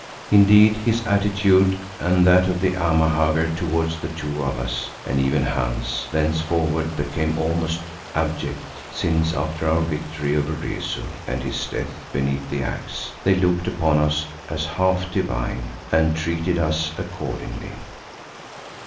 Indeed his attitude and that of the Amahagger towards the two of us, and even Hans, thenceforward became almost abject, since after our victory over Rezu and his death beneath the axe, they looked upon us as half divine and treated us accordingly.